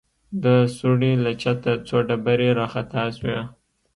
د سوړې له چته څو ډبرې راخطا سوې.